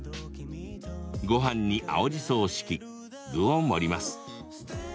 ごはんに青じそを敷き具を盛ります。